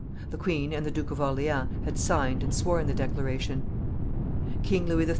The queen and the Duke of Orleans had signed and sworn the declaration. King Louis XIII.